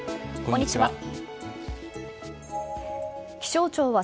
こんにちは。